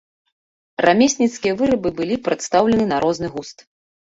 Рамесніцкія вырабы былі прадстаўлены на розны густ.